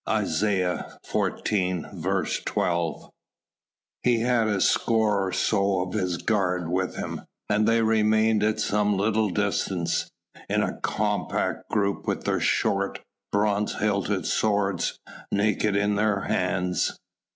ISAIAH XIV. 12. He had a score or so of his guard with him and they remained at some little distance, in a compact group, with their short, bronze hilted swords naked in their hands.